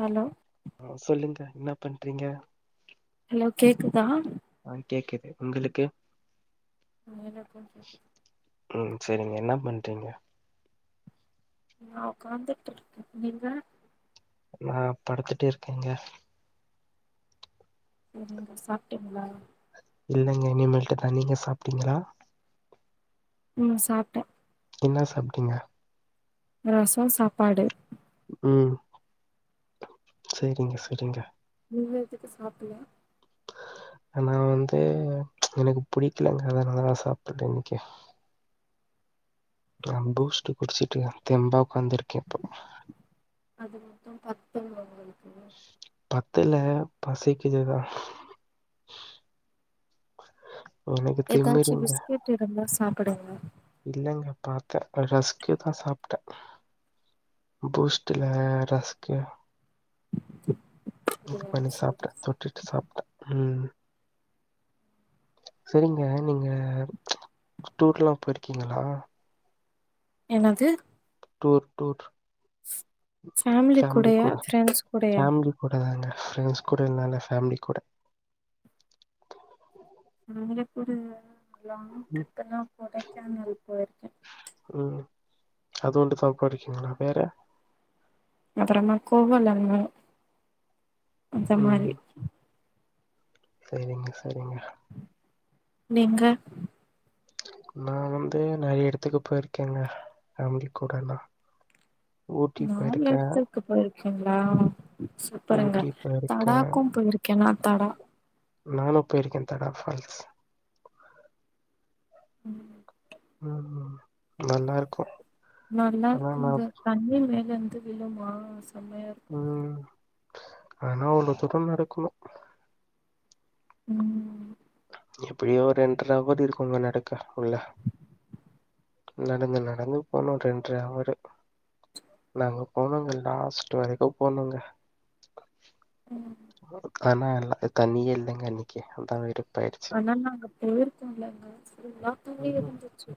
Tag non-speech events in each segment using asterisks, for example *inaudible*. Hello ஆ சொல்லுங்க என்ன பண்றீங்க ஹலோ கேக்குதா ஆ கேக்குது உங்களுக்கு மேல போம்போது ம் செரிங்க என்ன பண்றீங்க நா ஒக்காந்துட்ருக்க நீங்க நா படுத்துட்டு இருக்கேங்க செரிங்க சாப்ட்டீங்ளா இல்லங்க இனிமேல்டு தா நீங்க சாப்டீங்களா ம் சாப்ட்ட என்ன சாப்டீங்க ரசோ சாப்பாடு ம் செரிங்க செரிங்க நீங்க எதுக்கு சாப்புல்ல ஆ நா வந்து எனக்கு புடிக்கலங்க அதனாலதா சாப்பல இன்னிக்கு நா பூஸ்ட் குடிச்சிட்டுங்க தெம்பா ஒக்காந்துருக்கே அது மட்டு பத்துமா உங்களுக்கு பத்தல பசிக்கிதுதா ஏதாச்சி திமிருங்க பிஸ்கட் இருந்தா சாப்புடுங்க இல்லங்க பாத்த ஒரு ரஸ்க்கு தா சாப்ட்ட பூஸ்டுல ரஸ்க்கு இது அப்டியா பண்ணி சரி சாப்ட்ட சரி தொட்டுட்டு சாப்ட்ட ம் செரிங்க நீங்க டூர்ல்லா போய்ருக்கீங்ளா என்னது டூர் டூர் ஃபேமிலி கூடையா ஃப்ரெண்ட்ஸ் கூடையா ஃபேமிலி கூட தாங்க ஃப்ரெண்ட்ஸ் கூட இல்லால ஃபேமிலி கூட ஃபேமிலி கூட லாங் ம், ட்ரிப்புனா கொடைக்கானல் போய்ருக்க ம் அதுண்டு சவுக்கா இருக்கீங்ளா வேற அப்புறமா கோவளம்மு இந்த மாரி செரிங்க செரிங்க நீங்க நா வந்து நெறைய எடத்துக்கு போய்ருக்கங்க ஃபேமிலி கூடல்லா நாலு எடத்துக்கு போய்ருக்கீங்ளா சூப்பருங்க ஊட்டி போயிருக்கேன். தடாக்கு போய்ருக்கே நா தடா நானு போய்ருக்கே தடா ஃபால்ஸ் ம் ம் ம் நல்லா இருக்கு நல்லா இருக்குங்க தண்ணி மேல இருந்து விலுமா செமையா இருக்கு ம் ஆனா அவ்வளவு தூரோ நடக்கணு ம் எப்படியோ ஒரு ரெண்ரவர் இருக்குங்க நடக்க உள்ள உள்ள நம்ம நடந்து போனா ரெண்ர அவரு நாங்க போனோங்க லாஸ்ட்டு வரைக்கு போனோங்க ஆனா எல்லா தண்ணியே இல்லங்க அன்னிக்கு அதா வெருப்பாய் ஆனா நாங்க போயிருக்கோல்லங்க ஃபுல்லாவே ம் இருந்துச்சு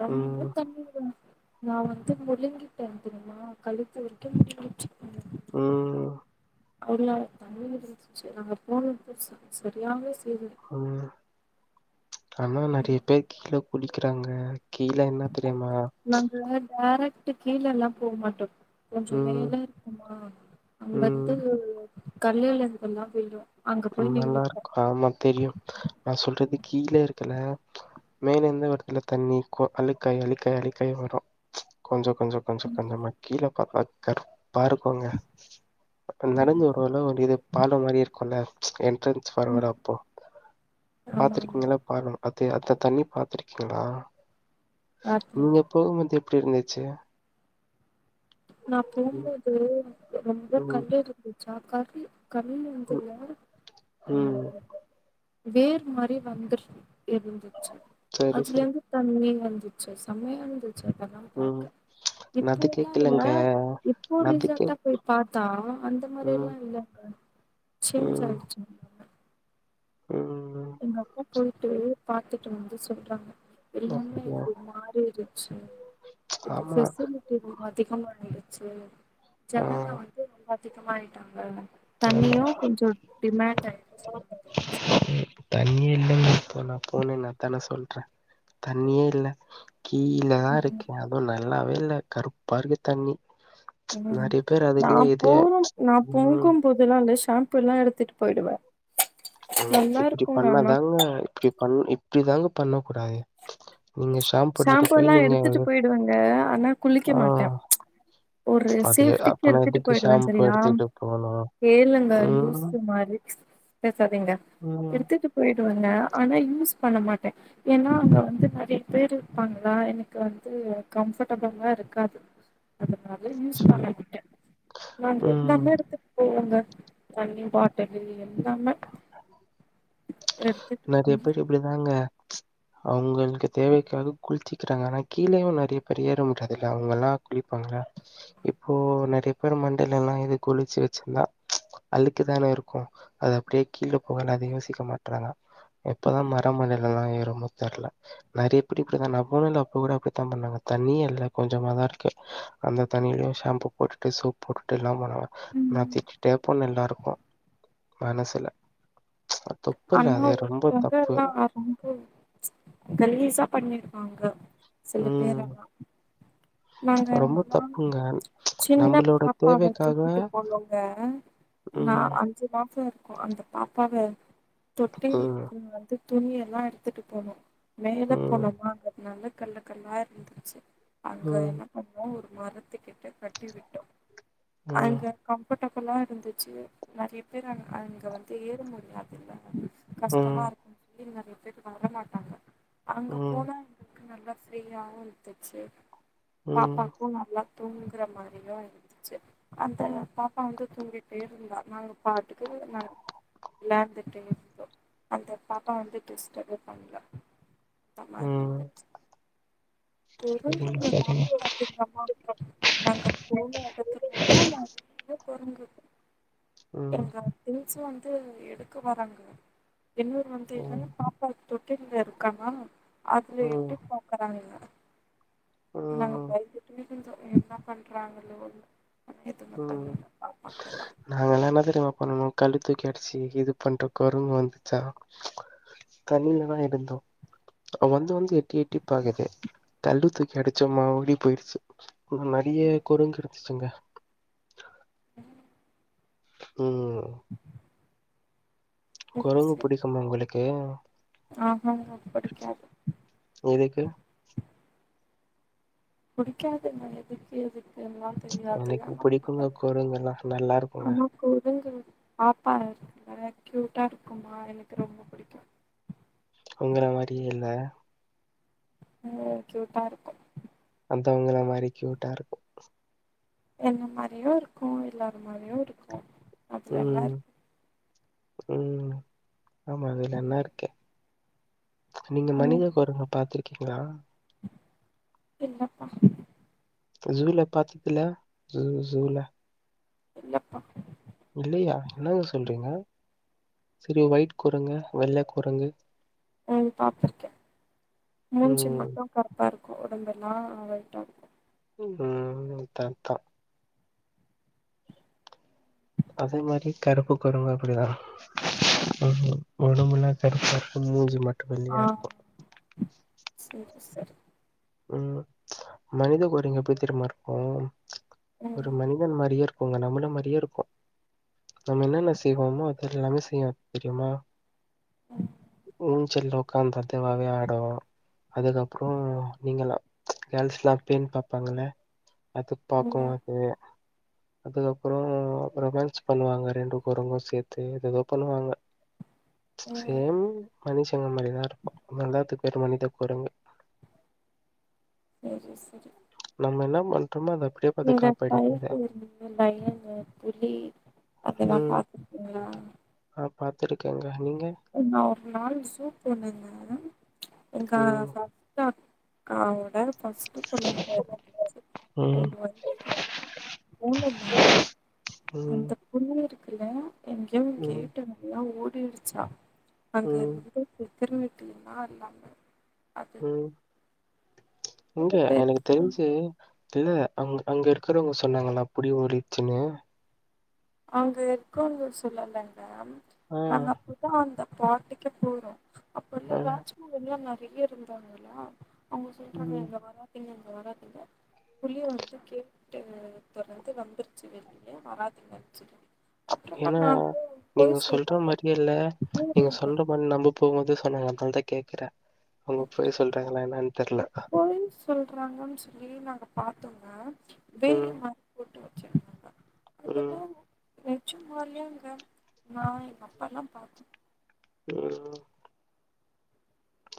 ரொம்ப ம் தண்ணிங்க நா வந்து முழுங்கி ட்ட தெரிமா கழுத்து வரைக்கு முழுங்கிட்சி *unintelligible* ம் அவள தண்ணி இருந்துச்சி நாங்க போனது ச சரியான செரு ம் ஆனா நெறைய பேரு கீழ குளி க்கிறாங்க கீழ என்ன தெரிமா நாங்க டேரக்ட் கீழல்லா போ மாட்டோ கொஞ்சோ மேல ம் இருக்குமா அங்க ம் இர்ந்து கல்லேலந்துல்லா பெய்யு ம் நல்லா இருக்கு ஆமா தெரியு நா சொல்றது கீழ இருக்குல மேல இருந்து வருதுல்ல தண்ணி அழுக்காய் அழுக்காய் அழுக்காயி வரு கொஞ்சோ கொஞ்ச கொஞ்ச கொஞ்சமா கீழ *unintelligible* பா இருக்குங்க நா நடந்து வருவல்ல *unintelligible* ஒரு பாலம் மாரி இருக்குல்ல என்ட்ரன் ல ம் வரப்போ ஆமா ஆமா பாத்துருக்கீங்களா பாருங்க பாத்தி அந்த தண்ணி பாத்துருக்கீங்களா ராத்திரிக்கு நீங்க போம்போது எப்டி இருந்துச்சு நா ம், போம்போது ரொம்ப ம், கல்லு இருந்துச்சா கல்லு கல்லுல ம், இருந்துல்ல ஆ ம். வேர் மாரி வந்துரு இருந்துச்சு சரி, அதுல சரி. இருந்து தண்ணி வந்துச்சு செமயா இருந்து ச்சு அதெல்லா ம். பாக்க நான் அது இப்போலா அ கேக்கலங்க. இப்போ நான் அது ரிசன்டா கேக் போய் பாத்தா அந்த மாரி ம், எல்லா இல்லங்க சேஞ்சு ம், ஆயிடுச்சு எல்லாமே ம் எங்க அப்பா போயிட்டு பாத்துட்டு வந்து சொல்றாங்க எல்லாமே அப்டியா? இப்போ மாறிடுச்சு இப்ப ஆமா. ஸ்பெஷல் ரொம்ப அதிகம ஆயிடுச்சு ஆ, ஜனங்கள் வந்து ரொம்ப அதிகமயிட்டாங்க ஆமா. தண்ணியு கொஞ்சோ டிமாண்ட் ஆயிடுச்சு ம் தண்ணயே இல்லங்க இப்போ நா போனே நான்த்தானே சொல்றேன் தண்ணியே இல்ல கீழ தா ம் இருக்கு அதுவு நல்ல நல்லாவே இல்ல கருப்பா இருக்கு தண்ணி ம் நெறைய பேர் நா அதுலயே இது போகு ம். பொகும்போதெல்லா இந்த ஷாம்பு எல்லா எடுத்துட்டு போயிடுவேன ம் இப்டி பண்ணாதாங்க இப்டி பண் இப்டிதாங்க பண்ண கூடாது நீங்க சொ ஷாம்பு எல்லா எடுத்துட்டு போயிடுவங்க ஆனா குளிக்க ஆ மாட்டே ஒரு அது சேப்டிக்கு அப்பனா எடுத்துட்டு எதுக்கு போயிடுவே ஷாம்பு சரியா எடுத்துட்டு போணும்? கேளுங்க ம், லூசு மாரிக் பேசாதீங்க ம். எடுத்துட்டு போயிடுவாங்க ஆனா யூஸ் பண்ண மாட்டேன் ஏன்னா அங்க வந்து நெறைய பேர் இருப்பாங்களா எனக்கு வந்து கம்ஃபர்ட்டபுளா இருக்காது அதனால யூஸ் சரி. பண்ணிக்கிட்டே நா ம். எல்லாமே எடுத்து போங்க தண்ணி பாட்டலு எல்லாமே எடுத்துட்டு நெறைய போய் பேர் இப்டிதாங்க அவங்களுக்கு தேவைக்காக குளிச்சிக்கிறாங்க ஆனா கீழேயு நெறய கடியேற முடியாதில அவங்கெல்லா குளிப்பாங்கள இப்போ நெறைய பேர் மண்டைல எல்லா இது குளிச்சு வச்சிருந்தா அழுக்கு தானே இருக்கு அது அப்டியே கீழே போக அத யோசிக்க மாட்டறாங்க எப்பதா மரமண்டையில எல்லா ஏறுமோ தெரில நெறைய பேர் இப்டித்தா நா போனல்ல அப்ப கூட அப்டித்தா பண்ணாங்க தண்ணியே இல்ல கொஞ்சமாதா இருக்கு அந்த தண்ணியிலு ஷாம்பூ போட்டுட்டு சோப்பு போட்டுட்டு எல்லாம் பன நா ம் திட்டிட்டே போன எல்லாருக்கு மனசுல அ துப்பு இல்ல அது ரொம்ப ஒருத்தாங்க தப்பு எல்லா ரொம்ப கலீசா பண்ணிருவாங்க சில பேர் ம் ஆனா நாங்க ரொம்ப எல்லாம் தப்புங்க சின்ன நம்மளோட பாப்பாவை தேவைக்காக தூக்கிட்டு போனோங்க நா ம் அஞ்சு மாசோ இருக்கு அந்த பாப்பாவ ம் தொட்டில்க்கு வந்து துணியெ எல்லா எடுத்துட்டு போனோம் மேல ம் போனோமா அங்க நல்ல கல்லு கல்லா இருந்துருச்சு அங்க ம் என்ன பண்ணுவோ ஒரு மரத்து கிட்ட கட்டி விட்டோ ம் அங்க கம்ஃபர்ட்டபுளா இருந்துச்சு நெறைய பேர் அங்க அங்கே வந்து ஏற முடியாதில்ல கஷ்டமா ம் இருக்கு சொல்லி நெறைய வர மாட்டாங்க அங்க ம் போனா எனக்கு நல்லா ஃப்ரீயாவு இருந்துச்சு ம் பாப்பாக்கு நல்லா தூங்குங்கற மாரியு இருந்துச்சு அந்த பாப்பா வந்து தூங்கிட்டே இருந்தா நாங்க பாட்டுக்கு நாங் வெளண்டுட்டு இருந்தோ அந்த பாப்பா வந்து டிஸ்டர்ப்பே பண்லா அந்தமாரி ம் இருந்துச்சி சரிங்க குறும்புங்க சரிங்க வாங்கலா அதென்னமோ நாங்க போன எடத்துலா நா *unintelligible* ங்கு ம் எங்க திங்ச வந்து எடுக்க வறங்க என்னரு வந்து ம் என்ன பாப்பா தொட்ட இருக்கானா அதுல ம் எட்டி பாக்குறாங்க நாங்க ம் பயந்துகிட்டே இருந்தோ என்ன பண்றாங்களோ ம் நாங்க எல்லா என்ன தெரியுமா பண்ணனோ கல்ல தூக்கி அடிச்சு இது பண்ற கொரங்கு வந்துச்சா தண்ணில தா இருந்தோ வந்து வந்து எட்டி எட்டி பாக்குது கல்ல தூக்கி அடிச்சோ மா ஓடி போயிடுச்சு ம் நெறையா கொரங்கு இருந்துச்சுங்க ம் கொரங்கு புடிக்கும்மா உங்களுக்கு ஆ ஆ ஆ புடிக்காது ஏதுக்கு புடிக்காதுங்க எதுக்கு எதுக்கெல்லா ச்சு எனக்கு புடிக்குங்க கொரங்கு எல்லா நல்லா இருக்குங்க கொரங்கு பாப்பா நல்லா க்யூட்டாக இருக்கும்மா எனக்கு ரொம்ப புடிக்கு உங்கள மாரியே இல்ல ம் க்யூட்டா இருக்கு அதா உங்கள மாரி கியூட்டா இருக்கு என்ன மாரியு இருக்கு இல்லாத மாரியு இருக்கு அதுல என்ன ம் இருக்கு ம் ஆமா அதுல என்னா இருக்கு நீங்க ம் மனிதகுரங்க பாத்திருக்கீங்களா இல்லப்பா ஜூல பாத்தது இல்ல ஜு ஜூல இல்லப்பா இல்லையா என்னங்க சொல்றீங்க செரி ஒயிட் கொரங்கு வெள்ள கொரங்கு ம் பா்த்திருக்கே மூஞ்சு ம் மட்டு கருப்பா இருக்கும் உடம்புல்லா ஒயிட்டாயிருக்கு ம் தர்தா அதே மாதிரி கருப்பு கொரங்கும் அப்படிதா உகும் உடம்புலா கருப்பாருக்கு மூஞ்சு மட்டு வெள்ளயா இருக்கு செரி சார் ம் மனித கொரங்கு எப்டி தெரியும்மா இருக்கு ஒரு ம் மனிதன் மாரியே இருக்கு உங்க நம்மன மாரியே இருக்கு நம்ம என்னென்ன செய்வோமோ அது எல்லாமே செய்யு தெரியுமா ஊஞ்சல்ல உ்ட்காந்து அதுவாவே ஆடு அதுக்கப்புறோ நீங்களா கேர்ள்ஸ் எல்லா பேண் பாப்பாங்கல்ல அது ம் பாக்கு அது அதுக்கப்புறோ ரொமான்ஸ் பண்ணுவாங்க ரெண்டு கொரங்கு சேத்து ஏதோ பண்ணுவாங்க ம் சேம் மனுஷங்க மாரிதா இருக்கு நல்லாத்துக்கு பேரு மனித கொரங்கு சேரி சேரி நம்ம என்ன பண்றோமோ அத அப்படியே பாத்து நீங்க காப்பி அடிக்கும் அத. *unintelligible* ஏங்க புலி அததா பாத்துருக்கீங்களா நா பாத்துருக்கேங்க நீங்க என்ன ஒரு நாள் சூப் பண்ணிருந்தேங்க ச்சு எங்க ம். சப்தா அவங்கட ஃபர்ஸ்ட்டு கொழந்த இருந்துச்சு ம். ஒன்ற வயசுல போங்கண்ணா ம். அந்த பொண்ணு இருக்குல எங்கயோ ம். கேட்டு வழியா ஓடிருச்சா அங்க ம். இருந்து இப்பி திரும்பிட்டுனா இருந்தாங்க இங்க எனக்கு பெருசா தெரிஞ்சு இல்ல அங்க அங்க இருக்கறவங்க சொன்னாங்களா அப்டி ஓடிருச்சுனு அங்க இருக்கவங்க சொல்லலங்க ஆ. நாங்க அப்போ அப்போ அந்த பாட்டுக்கே போறோ அப்ப இல்ல ஆ. வாட்ச்மேன்லா நெறய இருந்தாங்களா அவங்க சொல்றங்க ம். இங்க வராதீங்க இங்க வராதீங்க புலி வந்து கேட்ட தொறந்து வந்துருச்சு வெளிய வராதிங்கன் சொல்லி அப்புறமா ஏன்னா நாங்களு நீங்க பொய் சொல்ற சொல்றாங்க மாரியே இல்ல நீங்க கேளுங்க சொல்ற மாரி நம்ப போம்போது சொன்னாங்க அதுனால தா கேக்குற அவங்க பொய் சொல்றாங்களா என்னனு பொய் சொல்றாங்கன் சொல்லி நாங்க பாத்தோங்க வேலி ம். மாரி பொட்டு வச்சே பா ம். நெஜமாலயேங்க நா எங்க அப்பாலா பாத்தோ ஆஹ *unintelligible*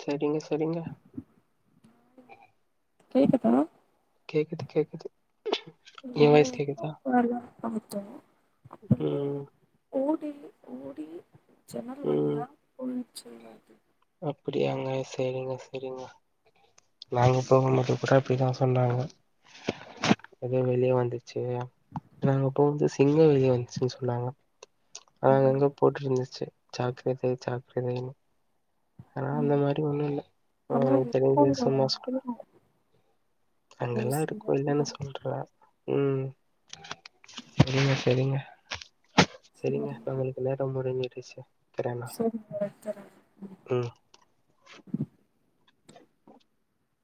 செரிங்க செரிங்க கேக்குதா கேக்குது கேக்குது என் வாய்ஸ் கேக்குதா வரலான் பாத்த ம் ஓடி ஓடி ஜன்னல் வழியா போய்ருச்சு அது அப்டியாங்க செரிங்க செரிங்க நாங்க போம்போது கூட அப்டிதா சொன்னாங்க எதோ வெளியே வந்துருச்சு நாங்க போம்போது சிங்கம் வெளிய வந்துருச்சுன் சொன்னாங்க அங்க அங்க போட்ருந்துச்சு ஜாக்ரதை ஜாக்ரதைனு ஆனா அந்த ம் மாரி ஒன்னு இல்ல ஆனா எனக்கு தெரிஞசு இருக்கவங்க வேஸ்ட்டு பொன் மாஸ்க் வந்து ஒரு அங்கெல்லா இருக்கு சிலர் இல்லன் தான் சொல்ற ம் செரிங்க செரிங்க செரிங்க நாங்களு நேர முடுஞ்சுருச்சு செரிங்க செரிங்க ம்